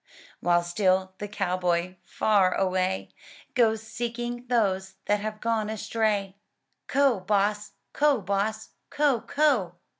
While still the cow boy, far away, Goes seeking those that have gone astray, — *^Co', boss! co', boss! co'! co'!"